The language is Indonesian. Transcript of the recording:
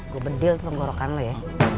gua bedil tuh nggorokan lo ya